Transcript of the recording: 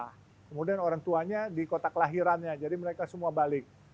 kemudian orang tuanya dikotaklahirannya jadi mereka semua balik